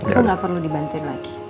itu nggak perlu dibantuin lagi